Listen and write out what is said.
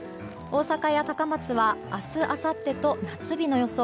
大阪や高松は明日、あさってと夏日の予想。